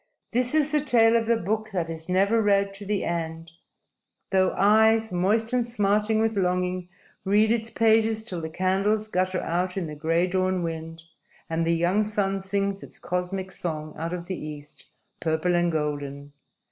_ _This is the tale of the book that is never read to the end, though eyes, moist and smarting with longing, read its pages till the candles gutter out in the gray dawn wind and the young sun sings its cosmic song out of the East, purple and golden.